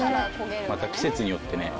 また季節によってね